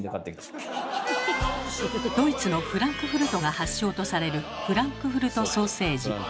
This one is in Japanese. ドイツのフランクフルトが発祥とされるフランクフルトソーセージ。